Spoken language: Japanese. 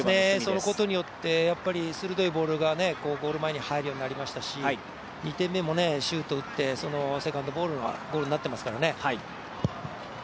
そのことによって鋭いボールがゴール前に入るようになりましたし、２点目もシュートを打って、セカンドボールがゴールになっていますからね。